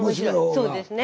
そうですね。